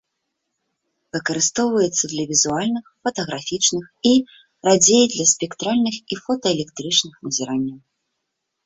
Выкарыстоўваецца для візуальных, фатаграфічных і, радзей, для спектральных і фотаэлектрычных назіранняў.